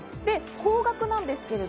高額なんですが。